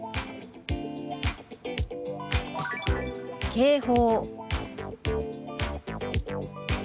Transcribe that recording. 「警報」。